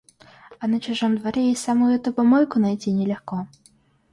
А на чужом дворе и самую-то помойку найти не легко.